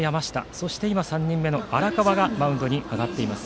そして今、３人目の荒川がマウンドに上がっています。